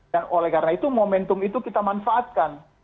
dan oleh karena itu momentum itu kita manfaatkan